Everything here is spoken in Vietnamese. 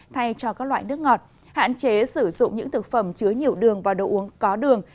thay cho các loại nước ngọt hạn chế sử dụng những thực phẩm chứa nhiều đường và đồ uống có đường